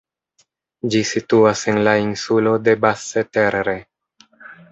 Ĝi situas en la insulo de Basse-Terre.